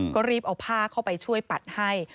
ก็รีบเอาผ้าเข้าไปช่วยปัดให้